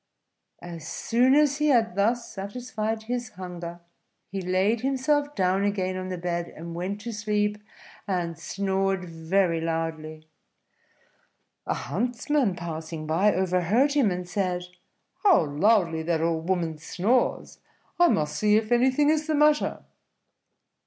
As soon as he had thus satisfied his hunger, he laid himself down again on the bed, and went to sleep and snored very loudly. A huntsman passing by overheard him, and said, "How loudly that old woman snores! I must see if anything is the matter."